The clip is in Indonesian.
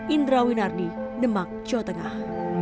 indra winardi demak jawa tengah